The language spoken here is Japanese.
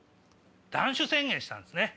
断酒宣言したんですね。